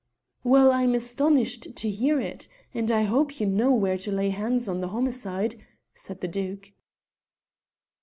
"Well, I'm astonished to hear it, and I hope you know where to lay hands on the homicide," said the Duke.